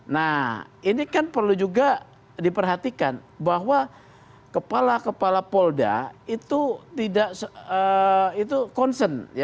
nah ini kan perlu juga diperhatikan bahwa kepala kepala polda itu tidak concern